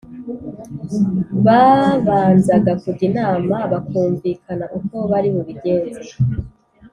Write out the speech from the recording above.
babanzaga kujya inama bakumvikana uko bari bubigenze